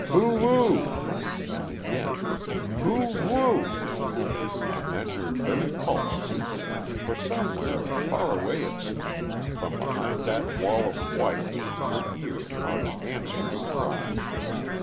"Hoo oo woo oo!" and again "Hoo oo woo oo!" And then her very pulses ceased, for somewhere, far away it seemed, from behind that wall of white her ear caught an answering cry.